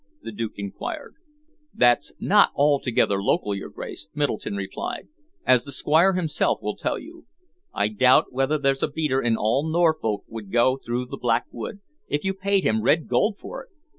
the Duke enquired. "That's not altogether local, your Grace," Middleton replied, "as the Squire himself will tell you. I doubt whether there's a beater in all Norfolk would go through the Black Wood, if you paid him red gold for it.